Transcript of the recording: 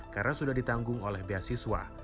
karena sudah ditanggung oleh beasiswa